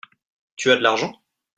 Tu as de l'argent ?